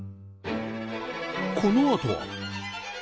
このあとは